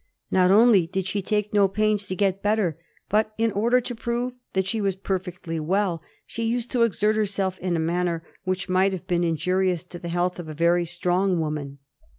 Not only did she take no pains to get better, but in order to prove that she was perfectly well, she used to exert herself in a manner which might have been in jurious to the health of a very strong woman.